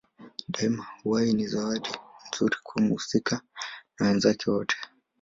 Daima uhai ni zawadi nzuri kwa mhusika na kwa wenzake wote.